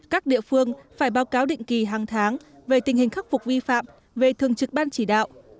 các địa phương phải báo cáo định kỳ hàng tháng về tình hình khắc phục vi phạm về thường trực ban chỉ đạo